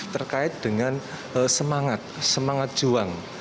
terkait dengan semangat semangat juang